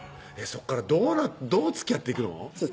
そこからどうつきあっていくの？